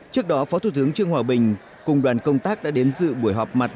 trước đó phó thủ tướng trương hòa bình cùng đoàn công tác đã đến dự buổi họp mặt